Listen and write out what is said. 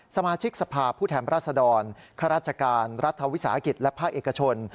สมาชิกสภาพผู้แทนราชดรข้าราชการรัฐวิสาหกิจและภาคเอกชน